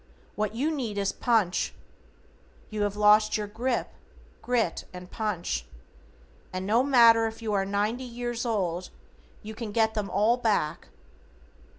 What you need is PUNCH. You have lost your Grip, Grit and Punch. And no matter if you are ninety years old you can get them all back.